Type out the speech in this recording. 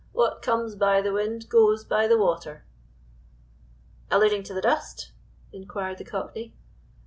"What comes by the wind goes by the water." "Alluding to the dust?" inquired the Cockney.